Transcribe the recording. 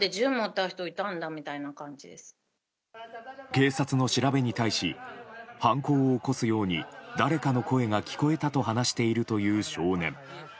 警察の調べに対し犯行を起こすように誰かの声が聞こえたと話しているという少年。